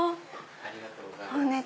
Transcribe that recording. ありがとうございます。